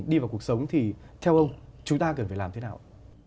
đi vào cuộc sống thì theo ông chúng ta cần phải làm thế nào